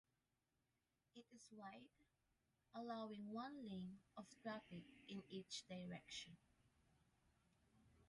It is wide, allowing one lane of traffic in each direction.